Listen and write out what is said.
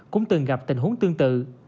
cũng từng gặp tình huống tương tự